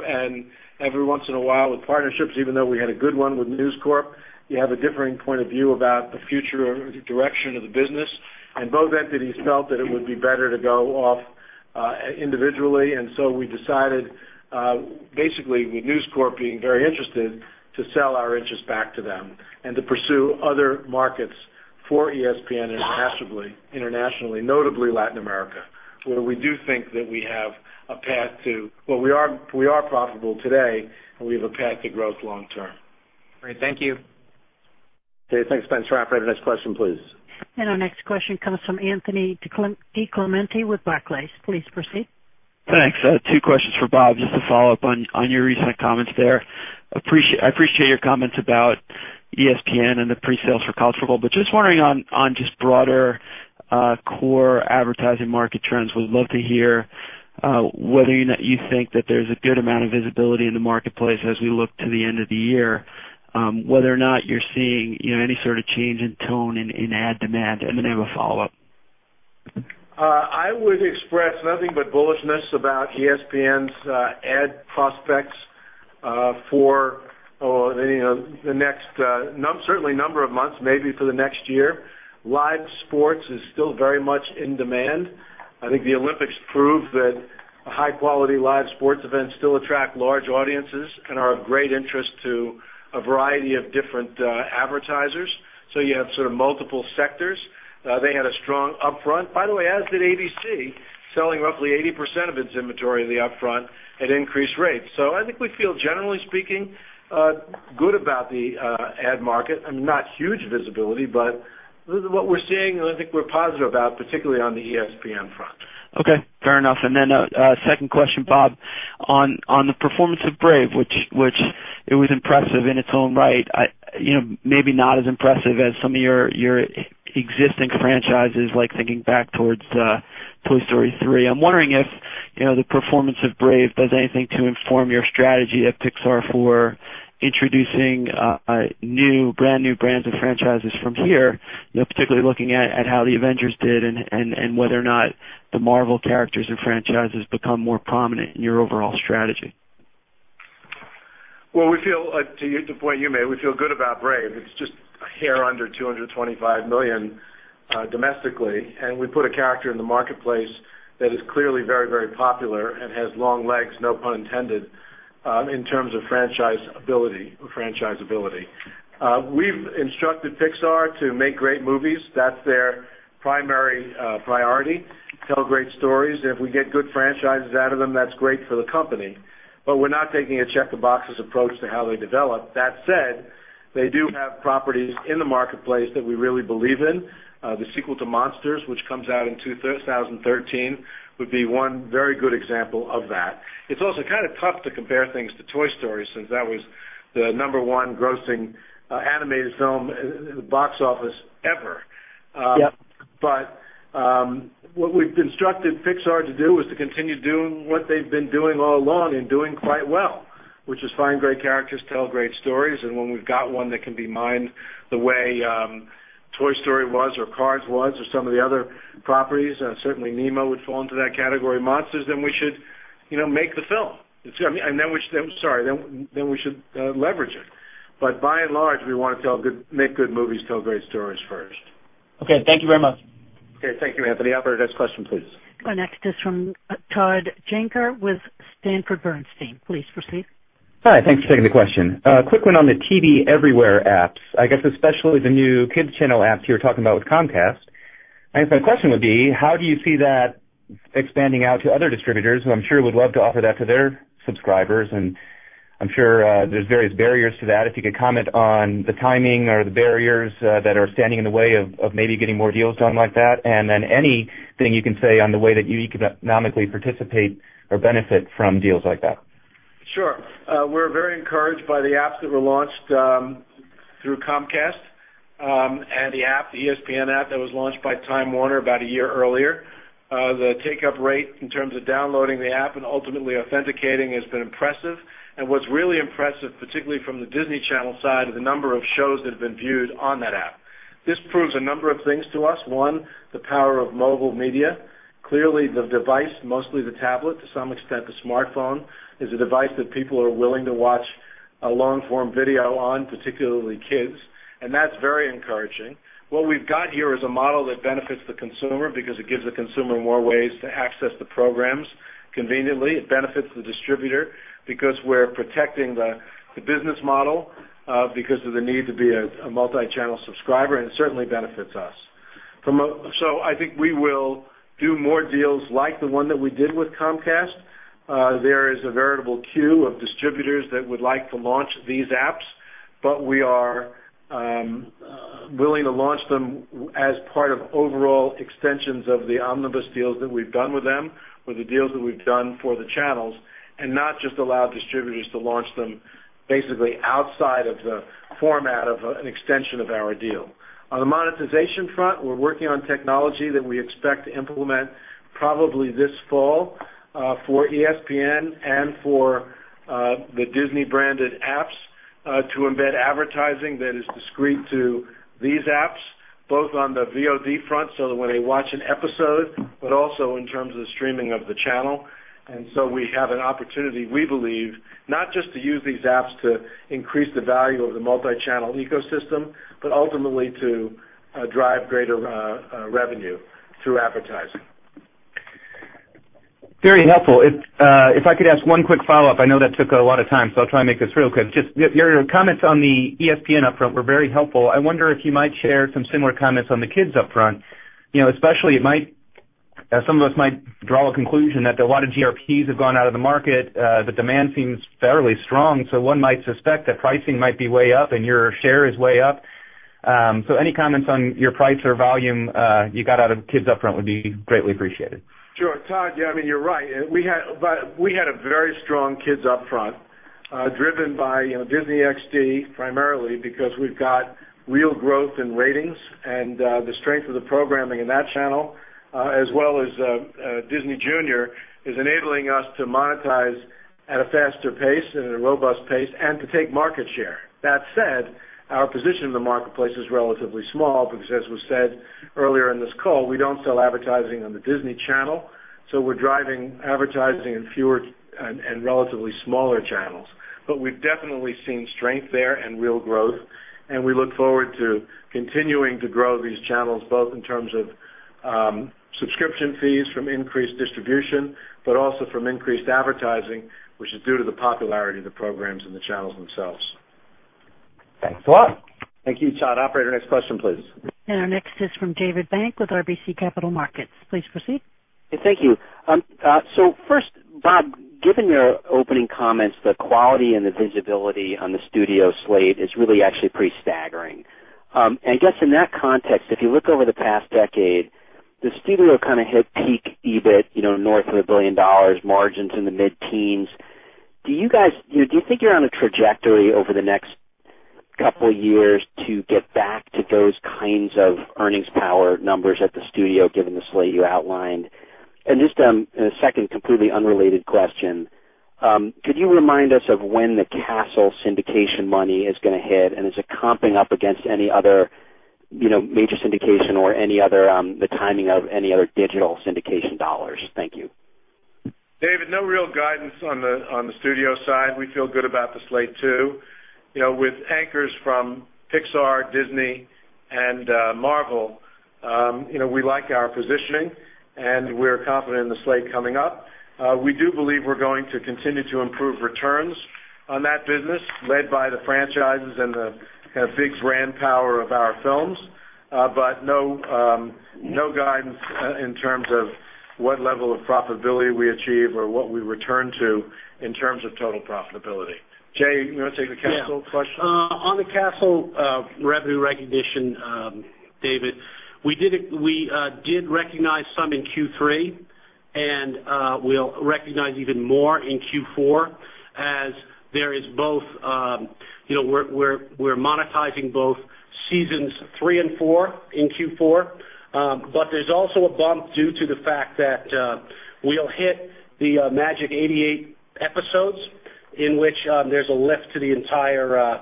Speaker 3: Every once in a while with partnerships, even though we had a good one with News Corp, you have a differing point of view about the future direction of the business. Both entities felt that it would be better to go off individually. We decided, basically with News Corp being very interested, to sell our interest back to them and to pursue other markets for ESPN internationally, notably Latin America, where we do think that we have a path to growth long term. Well, we are profitable today, and we have a path to growth long term.
Speaker 9: Great. Thank you.
Speaker 3: Okay. Thanks, Spencer. Operator, next question, please.
Speaker 1: Our next question comes from Anthony DiClemente with Barclays. Please proceed.
Speaker 10: Thanks. Two questions for Bob, just to follow up on your recent comments there. I appreciate your comments about ESPN and the pre-sales for college football, but just wondering on just broader core advertising market trends. Would love to hear whether or not you think that there's a good amount of visibility in the marketplace as we look to the end of the year, whether or not you're seeing any sort of change in tone in ad demand, and then I have a follow-up.
Speaker 3: I would express nothing but bullishness about ESPN's ad prospects for the next certainly number of months, maybe for the next year. Live sports is still very much in demand. I think the Olympics proved that high-quality live sports events still attract large audiences and are of great interest to a variety of different advertisers. You have sort of multiple sectors. They had a strong upfront, by the way, as did ABC, selling roughly 80% of its inventory in the upfront at increased rates. I think we feel, generally speaking, good about the ad market. I mean, not huge visibility, but what we're seeing, I think we're positive about, particularly on the ESPN front.
Speaker 10: Okay. Fair enough. Second question, Bob, on the performance of Brave, which it was impressive in its own right. Maybe not as impressive as some of your existing franchises, like thinking back towards Toy Story 3. I'm wondering if the performance of Brave does anything to inform your strategy at Pixar for introducing brand-new brands and franchises from here, particularly looking at how the Avengers did and whether or not the Marvel characters or franchises become more prominent in your overall strategy.
Speaker 3: Well, we feel, to the point you made, we feel good about Brave. It's just a hair under $225 million domestically, and we put a character in the marketplace that is clearly very popular and has long legs, no pun intended, in terms of franchise ability. We've instructed Pixar to make great movies. That's their primary priority. Tell great stories. If we get good franchises out of them, that's great for the company. But we're not taking a check-the-boxes approach to how they develop. That said, they do have properties in the marketplace that we really believe in. The sequel to Monsters, which comes out in 2013, would be one very good example of that. It's also kind of tough to compare things to Toy Story, since that was the number one grossing animated film box office ever.
Speaker 10: Yep.
Speaker 3: What we've instructed Pixar to do is to continue doing what they've been doing all along and doing quite well, which is find great characters, tell great stories, and when we've got one that can be mined the way Toy Story was or Cars was or some of the other properties, certainly Nemo would fall into that category, Monsters, we should make the film. Sorry, we should leverage it. By and large, we want to make good movies, tell great stories first.
Speaker 10: Okay. Thank you very much.
Speaker 3: Okay. Thank you, Anthony. Operator, next question, please.
Speaker 1: Our next is from Todd Juenger with Sanford Bernstein. Please proceed.
Speaker 11: Hi. Thanks for taking the question. A quick one on the TV Everywhere apps, I guess especially the new kids channel apps you were talking about with Comcast. I guess my question would be, how do you see that expanding out to other distributors who I'm sure would love to offer that to their subscribers? I'm sure there's various barriers to that. If you could comment on the timing or the barriers that are standing in the way of maybe getting more deals done like that, and then anything you can say on the way that you economically participate or benefit from deals like that.
Speaker 3: Sure. We're very encouraged by the apps that were launched through Comcast, and the ESPN app that was launched by Time Warner about a year earlier. The take-up rate in terms of downloading the app and ultimately authenticating has been impressive. What's really impressive, particularly from the Disney Channel side, are the number of shows that have been viewed on that app. This proves a number of things to us. One, the power of mobile media. Clearly, the device, mostly the tablet, to some extent a smartphone, is a device that people are willing to watch a long-form video on, particularly kids. That's very encouraging. What we've got here is a model that benefits the consumer because it gives the consumer more ways to access the programs conveniently. It benefits the distributor because we're protecting the business model because of the need to be a multi-channel subscriber, and it certainly benefits us. I think we will do more deals like the one that we did with Comcast. There is a veritable queue of distributors that would like to launch these apps, but we are willing to launch them as part of overall extensions of the omnibus deals that we've done with them or the deals that we've done for the channels, and not just allow distributors to launch them basically outside of the format of an extension of our deal. On the monetization front, we're working on technology that we expect to implement probably this fall for ESPN and for the Disney branded apps to embed advertising that is discreet to these apps, both on the VOD front, so that when they watch an episode, but also in terms of the streaming of the channel. We have an opportunity, we believe, not just to use these apps to increase the value of the multi-channel ecosystem, but ultimately to drive greater revenue through advertising.
Speaker 11: Very helpful. If I could ask one quick follow-up. I know that took a lot of time, so I'll try and make this real quick. Just your comments on the ESPN upfront were very helpful. I wonder if you might share some similar comments on the kids upfront. Especially some of us might draw a conclusion that a lot of GRPs have gone out of the market. The demand seems fairly strong. One might suspect that pricing might be way up and your share is way up. Any comments on your price or volume you got out of kids upfront would be greatly appreciated.
Speaker 3: Sure. Todd, yeah, you're right. We had a very strong kids upfront, driven by Disney XD primarily because we've got real growth in ratings and the strength of the programming in that channel as well as Disney Junior is enabling us to monetize at a faster pace and at a robust pace and to take market share. That said, our position in the marketplace is relatively small because as was said earlier in this call, we don't sell advertising on the Disney Channel, so we're driving advertising in fewer and relatively smaller channels. We've definitely seen strength there and real growth, and we look forward to continuing to grow these channels both in terms of subscription fees from increased distribution, but also from increased advertising, which is due to the popularity of the programs and the channels themselves.
Speaker 11: Thanks a lot.
Speaker 3: Thank you, Todd. Operator, next question, please.
Speaker 1: Our next is from David Bank with RBC Capital Markets. Please proceed.
Speaker 12: Thank you. First, Bob, given your opening comments, the quality and the visibility on the studio slate is really actually pretty staggering. I guess in that context, if you look over the past decade, the studio kind of hit peak EBIT north of $1 billion, margins in the mid-teens. Do you think you're on a trajectory over the next couple of years to get back to those kinds of earnings power numbers at the studio, given the slate you outlined? Just in a second completely unrelated question, could you remind us of when the Castle syndication money is going to hit? Is it comping up against any other major syndication or the timing of any other digital syndication dollars? Thank you.
Speaker 3: David, no real guidance on the studio side. We feel good about the slate, too. With anchors from Pixar, Disney, and Marvel, we like our positioning, and we're confident in the slate coming up. We do believe we're going to continue to improve returns on that business, led by the franchises and the kind of big brand power of our films. No guidance in terms of what level of profitability we achieve or what we return to in terms of total profitability. Jay, you want to take the Castle question?
Speaker 4: Yeah. On the Castle revenue recognition, David, we did recognize some in Q3, and we'll recognize even more in Q4 as we're monetizing both seasons 3 and 4 in Q4. There's also a bump due to the fact that we'll hit the magic 88 episodes, in which there's a lift to the entire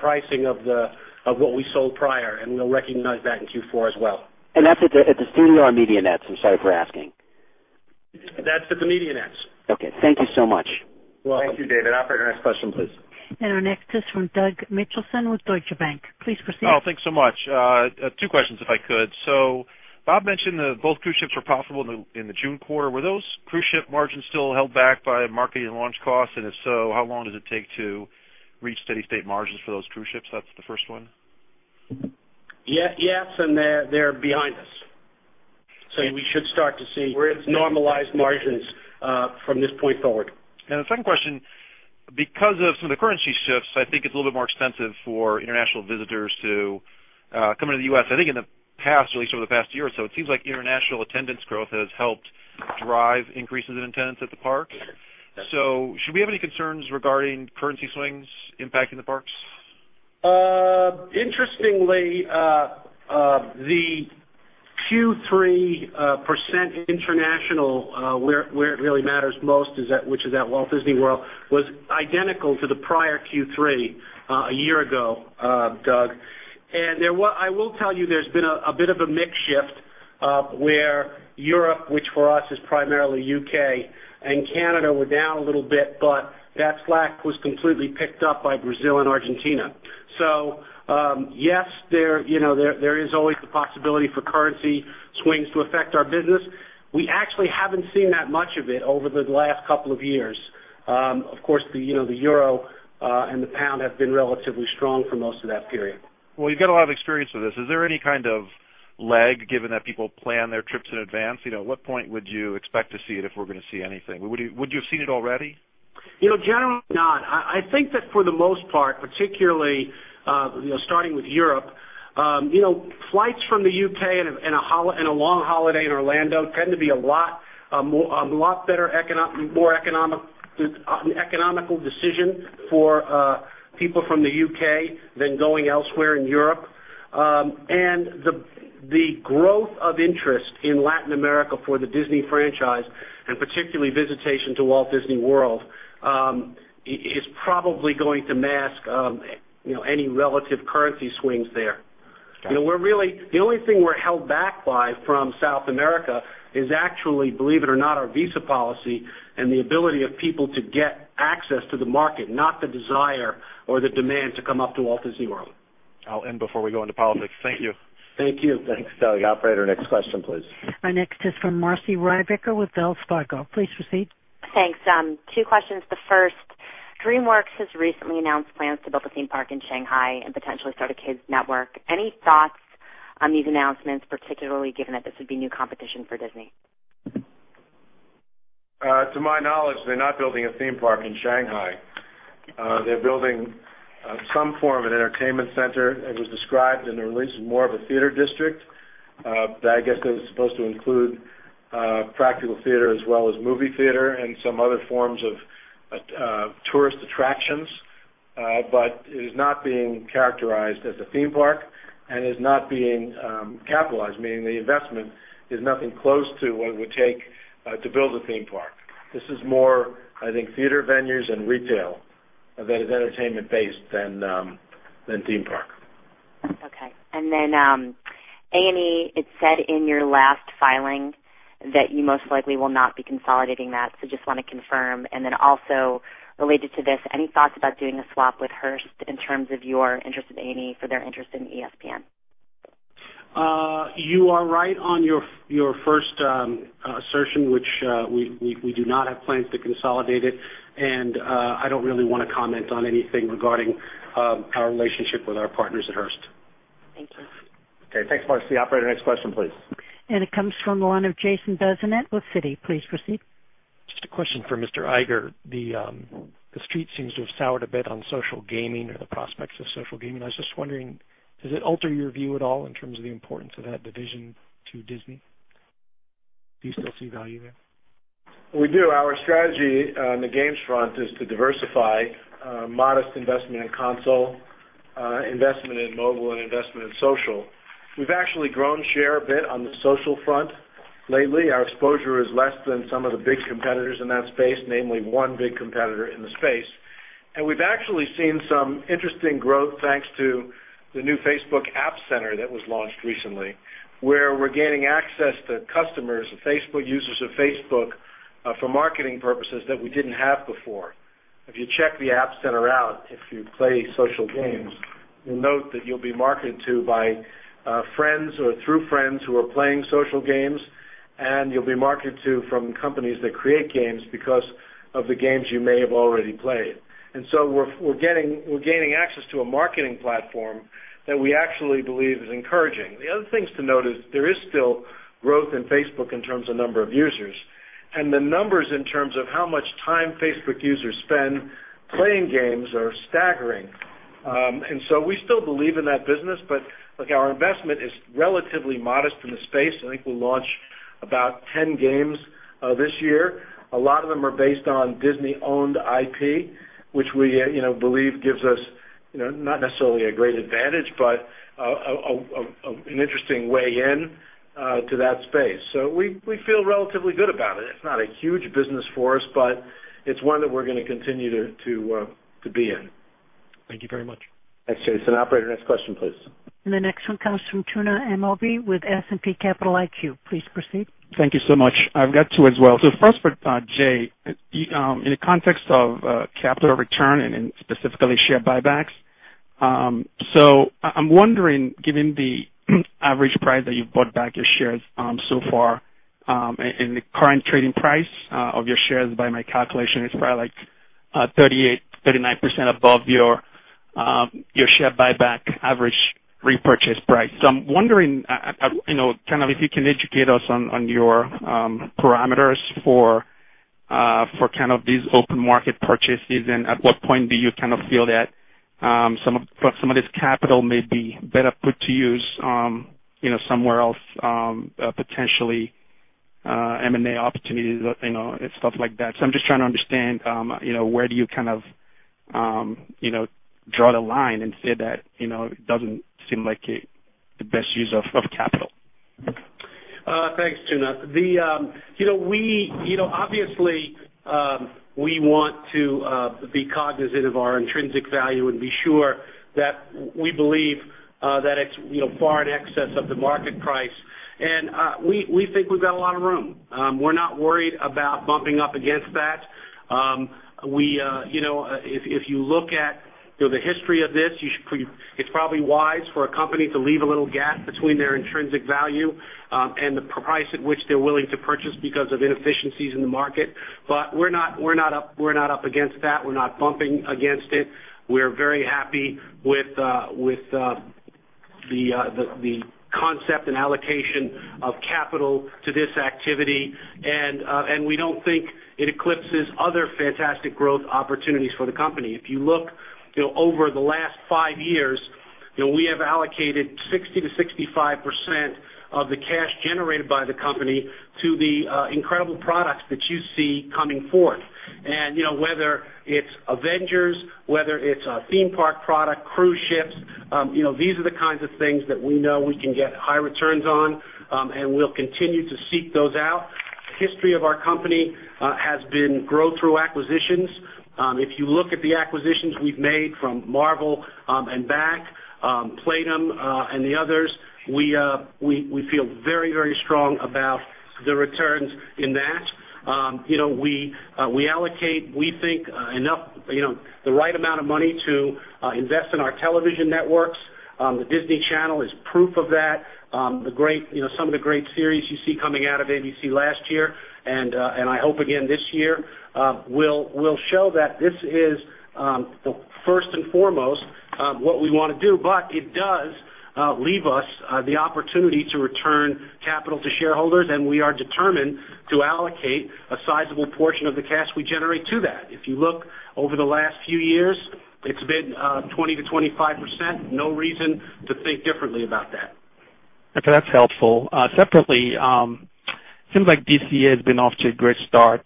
Speaker 4: pricing of what we sold prior, and we'll recognize that in Q4 as well.
Speaker 12: That's at the Studio or Media Networks? I'm sorry for asking.
Speaker 4: That's at the Media Networks.
Speaker 12: Okay. Thank you so much.
Speaker 4: You're welcome.
Speaker 3: Thank you, David. Operator, next question, please.
Speaker 1: Our next is from Douglas Mitchelson with Deutsche Bank. Please proceed.
Speaker 13: Oh, thanks so much. Two questions if I could. Bob mentioned both cruise ships were profitable in the June quarter. Were those cruise ship margins still held back by marketing and launch costs? If so, how long does it take to reach steady-state margins for those cruise ships? That's the first one.
Speaker 4: Yes, they're behind us. We should start to see normalized margins from this point forward.
Speaker 13: The second question, because of some of the currency shifts, I think it's a little bit more expensive for international visitors to come into the U.S. I think in the past, at least over the past year or so, it seems like international attendance growth has helped drive increases in attendance at the park. Should we have any concerns regarding currency swings impacting the parks?
Speaker 4: Interestingly, the Q3 % international, where it really matters most, which is at Walt Disney World, was identical to the prior Q3 a year ago, Doug. I will tell you, there's been a bit of a mix shift, where Europe, which for us is primarily U.K. and Canada, were down a little bit, that slack was completely picked up by Brazil and Argentina. Yes, there is always the possibility for currency swings to affect our business. We actually haven't seen that much of it over the last couple of years. Of course, the euro and the pound have been relatively strong for most of that period.
Speaker 13: Well, you've got a lot of experience with this. Is there any kind of lag given that people plan their trips in advance? At what point would you expect to see it, if we're going to see anything? Would you have seen it already?
Speaker 4: Generally not. I think that for the most part, particularly starting with Europe, flights from the U.K. and a long holiday in Orlando tend to be a lot better, more economical decision for people from the U.K. than going elsewhere in Europe. The growth of interest in Latin America for the Disney franchise, and particularly visitation to Walt Disney World, is probably going to mask any relative currency swings there.
Speaker 13: Got it.
Speaker 4: The only thing we're held back by from South America is actually, believe it or not, our visa policy and the ability of people to get access to the market, not the desire or the demand to come up to Walt Disney World.
Speaker 13: I'll end before we go into politics. Thank you.
Speaker 4: Thank you.
Speaker 3: Thanks, Doug. Operator, next question, please.
Speaker 1: Our next is from Marci Ryvicker with Wells Fargo. Please proceed.
Speaker 14: Thanks. Two questions. The first, DreamWorks has recently announced plans to build a theme park in Shanghai and potentially start a kids network. Any thoughts on these announcements, particularly given that this would be new competition for Disney?
Speaker 3: To my knowledge, they're not building a theme park in Shanghai. They're building some form of an entertainment center. It was described in their release as more of a theater district, I guess that is supposed to include practical theater as well as movie theater and some other forms of tourist attractions. It is not being characterized as a theme park and is not being capitalized, meaning the investment is nothing close to what it would take to build a theme park. This is more, I think, theater venues and retail that is entertainment-based than theme park.
Speaker 14: Okay. Then A&E, it said in your last filing that you most likely will not be consolidating that, so just want to confirm. Then also related to this, any thoughts about doing a swap with Hearst in terms of your interest in A&E for their interest in ESPN?
Speaker 4: You are right on your first assertion, which we do not have plans to consolidate it, and I don't really want to comment on anything regarding our relationship with our partners at Hearst.
Speaker 14: Thank you.
Speaker 2: Okay, thanks, Marci. Operator, next question, please.
Speaker 1: It comes from the line of Jason Bazinet with Citi. Please proceed.
Speaker 15: Just a question for Mr. Iger. The Street seems to have soured a bit on social gaming or the prospects of social gaming. I was just wondering, does it alter your view at all in terms of the importance of that division to Disney? Do you still see value there?
Speaker 3: We do. Our strategy on the games front is to diversify modest investment in console, investment in mobile, and investment in social. We've actually grown share a bit on the social front lately. Our exposure is less than some of the big competitors in that space, namely one big competitor in the space. We've actually seen some interesting growth thanks to the new Facebook App Center that was launched recently, where we're gaining access to customers, the Facebook users of Facebook, for marketing purposes that we didn't have before. If you check the App Center out, if you play social games, you'll note that you'll be marketed to by friends or through friends who are playing social games, and you'll be marketed to from companies that create games because of the games you may have already played.
Speaker 4: We're gaining access to a marketing platform that we actually believe is encouraging. The other things to note is there is still growth in Facebook in terms of number of users. The numbers in terms of how much time Facebook users spend playing games are staggering. We still believe in that business, but look, our investment is relatively modest in the space. I think we'll launch about 10 games this year. A lot of them are based on Disney-owned IP, which we believe gives us, not necessarily a great advantage, but an interesting way in to that space. So we feel relatively good about it. It's not a huge business for us, but it's one that we're going to continue to be in.
Speaker 15: Thank you very much.
Speaker 2: Thanks, Jason. Operator, next question, please.
Speaker 1: The next one comes from Tuna Amobi with S&P Capital IQ. Please proceed.
Speaker 16: Thank you so much. I've got two as well. First for Jay. In the context of capital return and in specifically share buybacks. I'm wondering, given the average price that you've bought back your shares so far, and the current trading price of your shares, by my calculation, is probably like 38%-39% above your share buyback average repurchase price. I'm wondering if you can educate us on your parameters for these open market purchases and at what point do you feel that some of this capital may be better put to use somewhere else, potentially M&A opportunities and stuff like that. I'm just trying to understand where do you draw the line and say that it doesn't seem like the best use of capital.
Speaker 4: Thanks, Tuna. Obviously, we want to be cognizant of our intrinsic value and be sure that we believe that it's far in excess of the market price. We think we've got a lot of room. We're not worried about bumping up against that. If you look at the history of this, it's probably wise for a company to leave a little gap between their intrinsic value and the price at which they're willing to purchase because of inefficiencies in the market. We're not up against that. We're not bumping against it. We're very happy with the concept and allocation of capital to this activity, and we don't think it eclipses other fantastic growth opportunities for the company. If you look over the last five years, we have allocated 60%-65% of the cash generated by the company to the incredible products that you see coming forth. Whether it's Avengers, whether it's a theme park product, cruise ships, these are the kinds of things that we know we can get high returns on, and we'll continue to seek those out. The history of our company has been growth through acquisitions. If you look at the acquisitions we've made from Marvel and back, Playdom, and the others, we feel very strong about the returns in that. We allocate, we think, the right amount of money to invest in our television networks. The Disney Channel is proof of that. Some of the great series you see coming out of ABC last year, and I hope again this year, will show that this is first and foremost what we want to do, but it does leave us the opportunity to return capital to shareholders, and we are determined to allocate a sizable portion of the cash we generate to that. If you look over the last few years, it's been 20%-25%. No reason to think differently about that.
Speaker 16: Okay, that's helpful. Separately, seems like DCA has been off to a great start,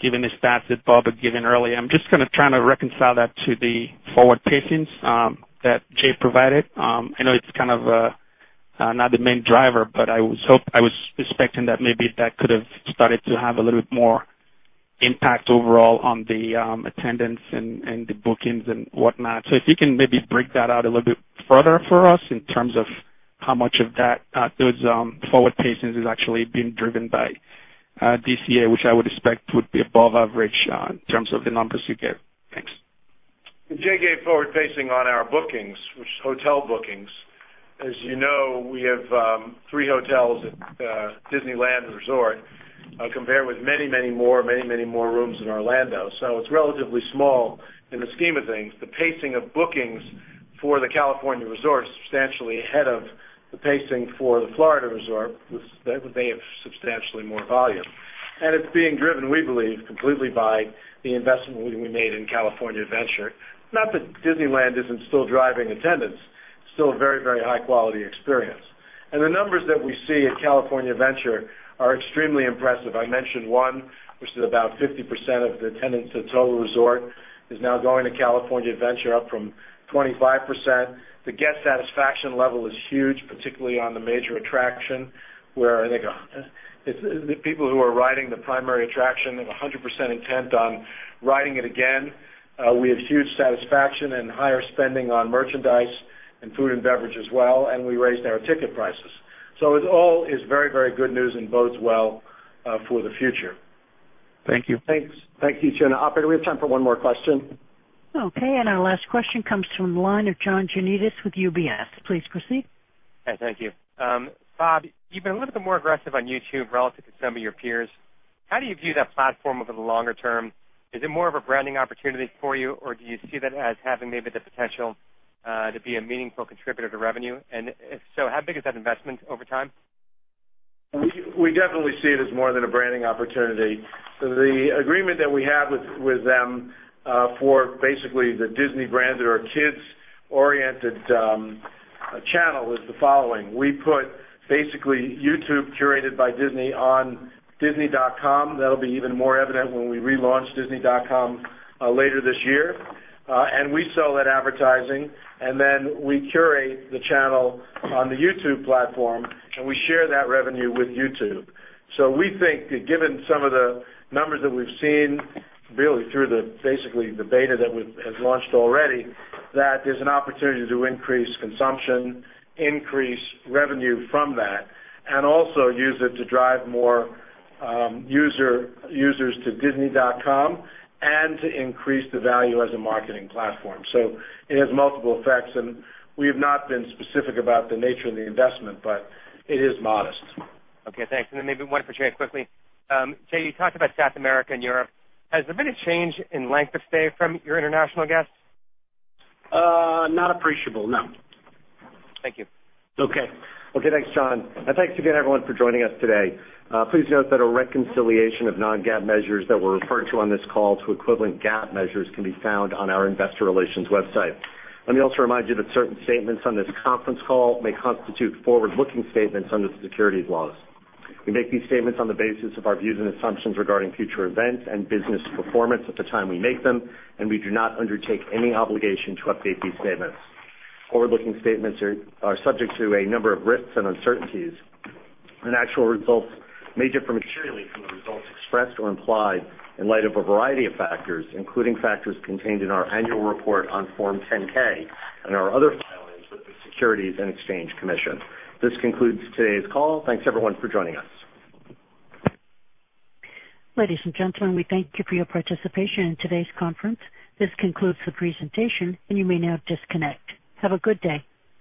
Speaker 16: given the stats that Bob had given earlier. I'm just kind of trying to reconcile that to the forward pacings that Jay provided. I know it's kind of not the main driver, but I was expecting that maybe that could have started to have a little bit more impact overall on the attendance and the bookings and whatnot. If you can maybe break that out a little bit further for us in terms of how much of those forward pacings is actually being driven by DCA, which I would expect would be above average in terms of the numbers you gave. Thanks.
Speaker 3: Jay gave forward facing on our bookings, which is hotel bookings. As you know, we have three hotels at Disneyland Resort compared with many more rooms in Orlando. It's relatively small in the scheme of things. The pacing of bookings for the California resort is substantially ahead of the pacing for the Florida resort, they have substantially more volume. It's being driven, we believe, completely by the investment we made in California Adventure. Not that Disneyland isn't still driving attendance, still a very high quality experience. The numbers that we see at California Adventure are extremely impressive. I mentioned one, which is about 50% of the attendance at the total resort is now going to California Adventure, up from 25%. The guest satisfaction level is huge, particularly on the major attraction, where I think the people who are riding the primary attraction have 100% intent on riding it again. We have huge satisfaction and higher spending on merchandise and food and beverage as well, and we raised our ticket prices. It all is very good news and bodes well for the future.
Speaker 16: Thank you. Thanks. Thank you, Tuna. Operator, do we have time for one more question?
Speaker 1: Okay, our last question comes from the line of John Janedis with UBS. Please proceed.
Speaker 17: Okay, thank you. Bob, you've been a little bit more aggressive on YouTube relative to some of your peers. How do you view that platform over the longer term? Is it more of a branding opportunity for you, or do you see that as having maybe the potential to be a meaningful contributor to revenue? If so, how big is that investment over time?
Speaker 3: We definitely see it as more than a branding opportunity. The agreement that we have with them for basically the Disney brand or kids-oriented channel is the following. We put basically YouTube curated by Disney on disney.com. That'll be even more evident when we relaunch disney.com later this year. We sell that advertising, then we curate the channel on the YouTube platform, we share that revenue with YouTube. We think that given some of the numbers that we've seen really through basically the beta that has launched already, that there's an opportunity to increase consumption, increase revenue from that, also use it to drive more users to disney.com to increase the value as a marketing platform. It has multiple effects, we have not been specific about the nature of the investment, but it is modest.
Speaker 17: Okay, thanks. Maybe one for Jay quickly. Jay, you talked about South America and Europe. Has there been a change in length of stay from your international guests?
Speaker 3: Not appreciable, no.
Speaker 17: Thank you.
Speaker 3: Okay.
Speaker 2: Thanks, John. Thanks again, everyone, for joining us today. Please note that a reconciliation of non-GAAP measures that were referred to on this call to equivalent GAAP measures can be found on our investor relations website. Let me also remind you that certain statements on this conference call may constitute forward-looking statements under the securities laws. We make these statements on the basis of our views and assumptions regarding future events and business performance at the time we make them, and we do not undertake any obligation to update these statements. Forward-looking statements are subject to a number of risks and uncertainties, and actual results may differ materially from the results expressed or implied in light of a variety of factors, including factors contained in our annual report on Form 10-K and our other filings with the Securities and Exchange Commission. This concludes today's call. Thanks, everyone, for joining us.
Speaker 1: Ladies and gentlemen, we thank you for your participation in today's conference. This concludes the presentation, and you may now disconnect. Have a good day.